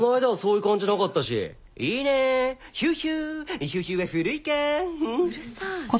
うるさい。